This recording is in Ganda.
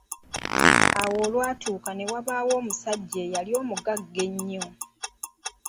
Awo olwatuuka, ne wabaawo omusajja eyali omugagga ennyo.